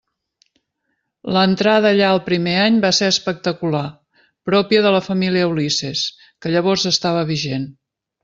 L'entrada allà el primer any va ser espectacular, pròpia de la Família Ulisses, que llavors estava vigent.